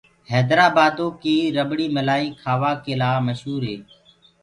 هيدرآبآدو ڪي رڀڙ ملآئي کآوآ ڪي لآ مشور هي۔